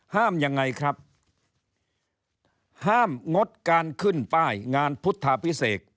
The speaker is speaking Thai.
ยังไงครับห้ามงดการขึ้นป้ายงานพุทธาพิเศษ